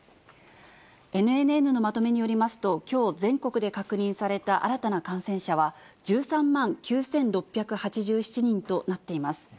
ＮＮＮのまとめによりますと、きょう全国で確認された新たな感染者は、１３万９６８７人となっています。